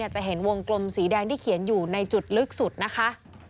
จะเห็นวงกลมสีแดงที่เขียนอยู่ในจุดลึกสุดนะคะ